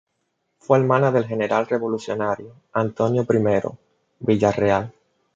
Fue hermana del general revolucionario Antonio I. Villarreal.